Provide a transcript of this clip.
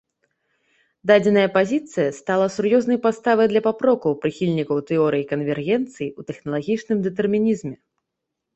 Дадзеная пазіцыя стала сур'ёзнай падставай для папрокаў прыхільнікаў тэорыі канвергенцыі ў тэхналагічным дэтэрмінізме.